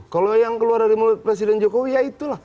kalau yang keluar dari mulut presiden jokowi ya itulah